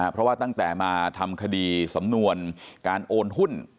เพราะว่าตั้งแต่มาทำคดีสำนวนการโอนหุ้น